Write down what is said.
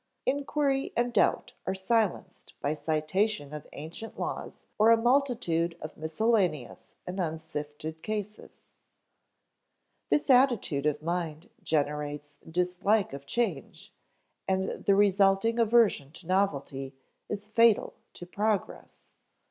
Inquiry and doubt are silenced by citation of ancient laws or a multitude of miscellaneous and unsifted cases. This attitude of mind generates dislike of change, and the resulting aversion to novelty is fatal to progress.